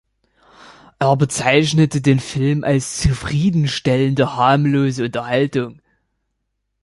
Er bezeichnete den Film als „zufriedenstellende“, „harmlose“ Unterhaltung.